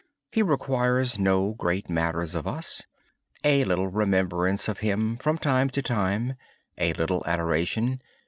He requires no great matters of us; a little remembrance of Him from time to time, a little adoration.